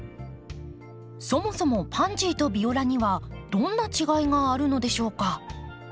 そもそもパンジーとビオラにはどんな違いがあるのでしょうか？